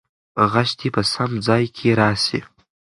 خج دې په سم ځای کې راسي.